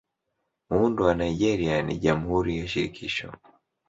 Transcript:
Muundo wa Nigeria ni Jamhuri ya Shirikisho.